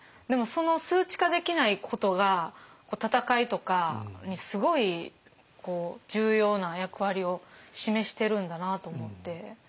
でもその数値化できないことが戦いとかにすごい重要な役割を示してるんだなと思って。